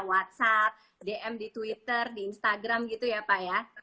whatsapp dm di twitter di instagram gitu ya pak ya